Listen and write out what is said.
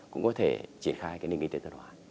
cũng có thể triển khai cái nền kinh tế tư đoàn hoàn